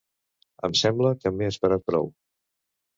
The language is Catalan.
-Em sembla que m'he esperat prou.